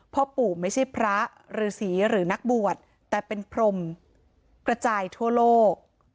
พ่อปู่ไม่ใช่พระฤษีหรือนักบวชแต่เป็นพรมกระจายทั่วโลก